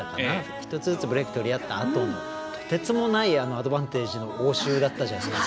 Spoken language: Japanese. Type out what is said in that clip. １つずつブレーク取り合ったあとのとてつもないアドバンテージの応酬だったじゃないですか。